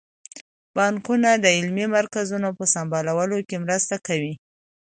بانکونه د علمي مرکزونو په سمبالولو کې مرسته کوي.